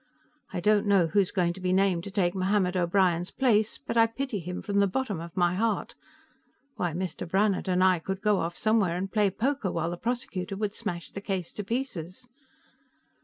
I don't know who's going to be named to take Mohammed O'Brien's place, but I pity him from the bottom of my heart. Why, Mr. Brannhard and I could go off somewhere and play poker while the prosecutor would smash the case to pieces."